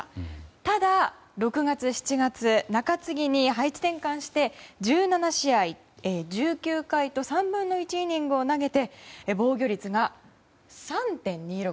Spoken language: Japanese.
ただ、６月、７月中継ぎに配置転換して１７試合、１９回と３分の１イニングを投げて防御率が３．２６。